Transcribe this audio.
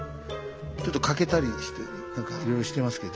ちょっと欠けたりして何かいろいろしてますけど。